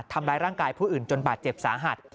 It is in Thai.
ทำร้ายร่างกายผู้อื่นจนบาดเจ็บสาหัส